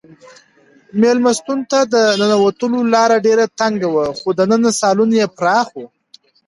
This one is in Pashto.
مېلمستون ته د ننوتلو لاره ډېره تنګه وه خو دننه سالون یې پراخه و.